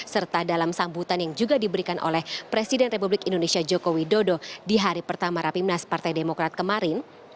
serta dalam sambutan yang juga diberikan oleh presiden republik indonesia joko widodo di hari pertama rapimnas partai demokrat kemarin